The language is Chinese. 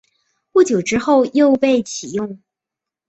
不久之后又被起用。